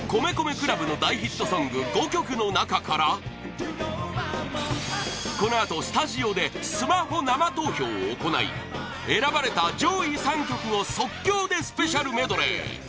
ＣＬＵＢの大ヒットソング５曲の中からこのあとスタジオでスマホ生投票を行い選ばれた上位３曲を即興でスペシャルメドレー！